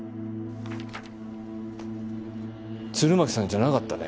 鶴巻さんじゃなかったね